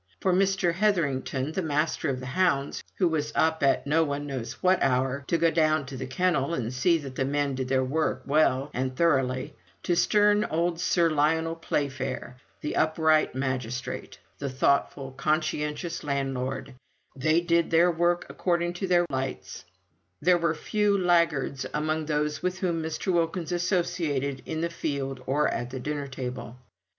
From Mr. Hetherington, the Master of the Hounds, who was up at no one knows what hour, to go down to the kennel and see that the men did their work well and thoroughly, to stern old Sir Lionel Playfair, the upright magistrate, the thoughtful, conscientious landlord they did their work according to their lights; there were few laggards among those with whom Mr. Wilkins associated in the field or at the dinner table.